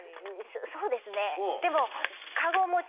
そうですねでも。